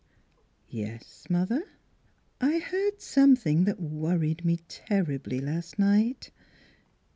" Yes, mother." " I heard something that worried me terribly last night."